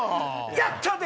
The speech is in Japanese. やったで！